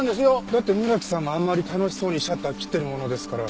だって村木さんがあんまり楽しそうにシャッター切ってるものですから。